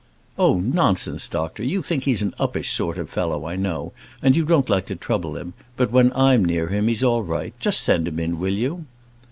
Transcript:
"Oh, nonsense, doctor; you think he's an uppish sort of fellow, I know, and you don't like to trouble him; but when I'm near him, he's all right; just send him in, will you?"